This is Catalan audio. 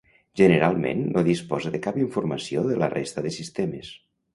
Generalment no disposa de cap informació de la resta de sistemes.